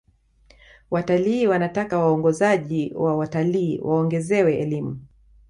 watalii wanataka waongozaji wa watalii waongezewe elimu